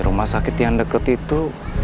rumah sakit yang dekat itu